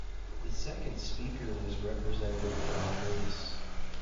The second speaker was Representative John Lewis.